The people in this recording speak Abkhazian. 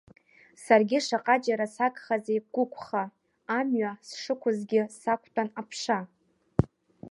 Саргьы шаҟаџьара сагхазеи гәықәха, амҩа сшықәызгьы сақәтәан аԥша!